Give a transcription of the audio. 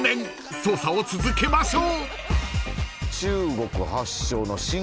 捜査を続けましょう］